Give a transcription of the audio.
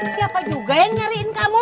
siapa juga yang nyariin kamu